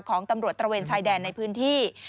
ของตำรวจตระเวนชายแดนในพื้นที่